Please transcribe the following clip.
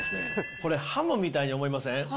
これ、ハムみたいに思いません？